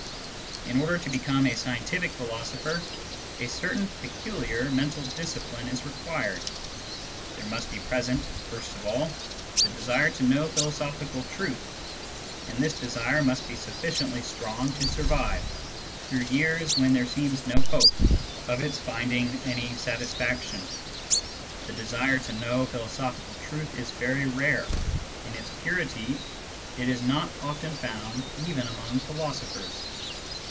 In order to become a scientific philosopher, a certain peculiar mental discipline is required. There must be present, first of all, the desire to know philosophical truth, and this desire must be sufficiently strong to survive through years when there seems no hope of its finding any satisfaction. The desire to know philo sophical truth is very rare — in its purity, it is not often found even among philosophers.